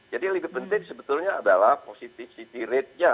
jadi lebih penting sebetulnya adalah positif city ratenya